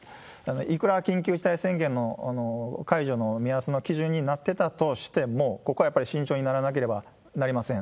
いくら緊急事態宣言の解除の目安の基準になってたとしても、ここはやっぱり慎重にならなければなりません。